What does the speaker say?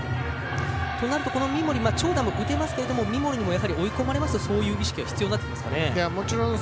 三森、長打も打てますが追い込まれますと、そういう意識が必要になってきますよね。